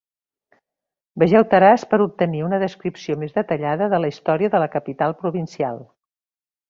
Vegeu Taraz per obtenir una descripció més detallada de la història de la capital provincial.